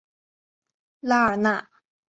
拉尔纳。